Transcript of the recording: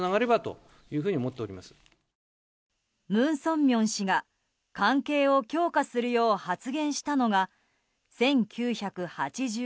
文鮮明氏が関係を強化するよう発言したのが、１９８９年。